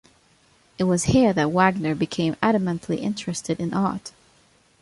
It was here that Wagner became adamantly interested in art.